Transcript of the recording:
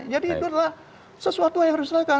jadi itu adalah sesuatu yang harus dilakukan